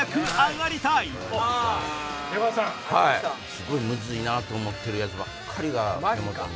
すごいムズいなと思ってるやつばっかりが手元に。